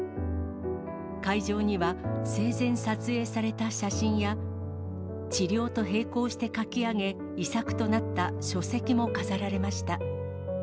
会場には、生前撮影された写真や治療と並行して書き上げ、遺作となった書籍も飾られました。